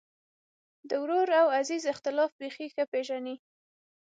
د ورور او عزیز اختلاف بېخي ښه پېژني.